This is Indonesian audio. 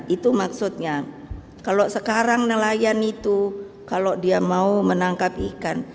itu maksudnya kalau sekarang nelayan itu kalau dia mau menangkap ikan